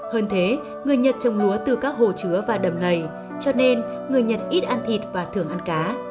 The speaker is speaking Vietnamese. hơn thế người nhật trồng lúa từ các hồ chứa và đầm lầy cho nên người nhật ít ăn thịt và thường ăn cá